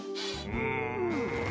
うん。